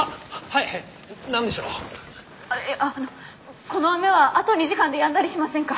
あっいやあのこの雨はあと２時間でやんだりしませんか？